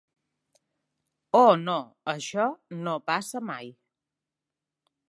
Oh, no, això no passa mai.